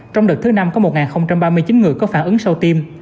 trong đợt thứ năm có một ba mươi chín người có phản ứng sau tiêm